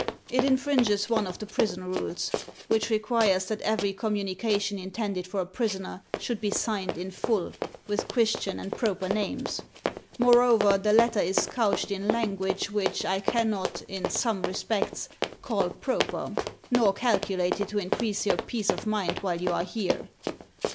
It infringes one of the prison rules, which requires that every communi cation intended for a prisoner should be signed in full, with Christian and proper names. Moreover, the letter is couched in language which I cannot, in some respects, call proper, nor calculated to in crease your peace of mind while you are here.